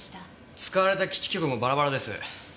使われた基地局もバラバラです。